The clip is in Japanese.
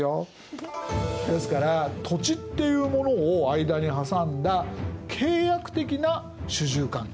ですから土地っていうものを間に挟んだ契約的な主従関係。